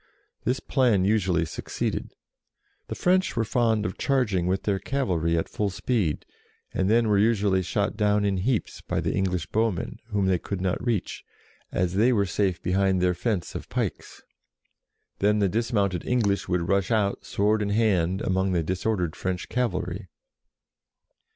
This plan usually succeeded. The French were fond of charging with their cavalry at full speed, and then were usually shot DEFEATS THE ENGLISH 57 down in heaps by the English bowmen, whom they could not reach, as they were safe behind their fence of pikes. Then the dismounted English would rush out, sword in hand, among the disordered French cavalry.